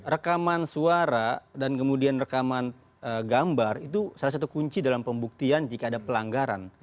rekaman suara dan kemudian rekaman gambar itu salah satu kunci dalam pembuktian jika ada pelanggaran